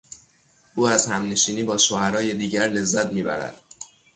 او از همنشینی با شعرای دیگر لذت میبرد.